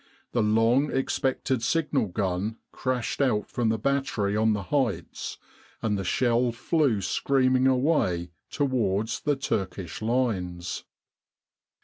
The long expected signal gun crashed out from the battery on the heights, and the shell flew screaming away towards the Turkish lines.